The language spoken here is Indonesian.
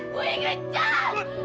bu ingrid jangan